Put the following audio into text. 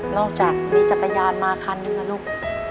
อกจากมีจักรยานมาคันนึงนะลูก